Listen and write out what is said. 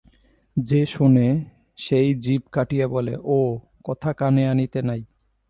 যে শোনে সেই জিভ কাটিয়া বলে, ও-কথা কানে আনিতে নাই।